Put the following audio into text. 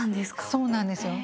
そうなんですよ。